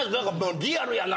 リアルやな。